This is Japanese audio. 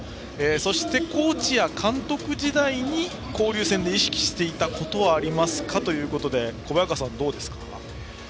そして、コーチや監督時代に交流戦で意識していたことはありますかということで小早川さん、どうですか？